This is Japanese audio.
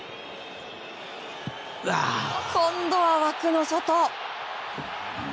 今度は枠の外。